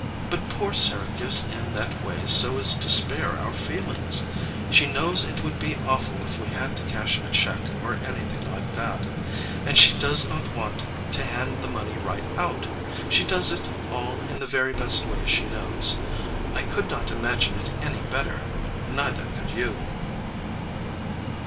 "But poor Sarah gives in that way so as to spare our feelings. She knows it would be awful if we had to cash a check or anything like that. And she does not want to hand the money right out. She does it all in the very best way she knows. I could not manage it any better ; neither could you."